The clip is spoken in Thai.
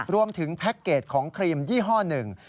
แพ็คเกจของครีมยี่ห้อหนึ่ง